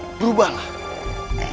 kau benar benar harimau kemayan